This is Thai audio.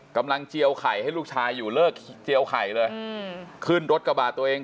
เจียวไข่ให้ลูกชายอยู่เลิกเจียวไข่เลยขึ้นรถกระบาดตัวเอง